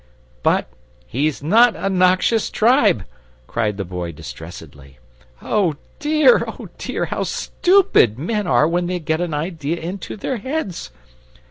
"But he's NOT a noxious tribe," cried the Boy distressedly. "Oh dear, oh dear, how STUPID men are when they get an idea into their heads!